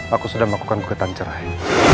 aku sudah melakukan gugatan cerai